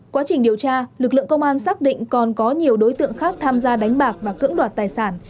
quá trình điều tra lực lượng công an xác định còn có nhiều đối tượng khác tham gia đánh bạc và cưỡng đoạt tài sản